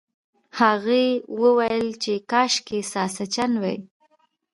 هغې وویل چې کاشکې ساسچن وای.